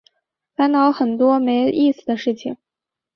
烦恼很多没意思的事情